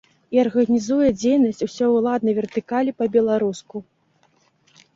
І арганізуе дзейнасць усёй уладнай вертыкалі па-беларуску.